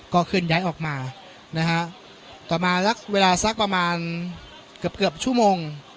เคลื่อนย้ายออกมานะฮะต่อมาสักเวลาสักประมาณเกือบเกือบชั่วโมง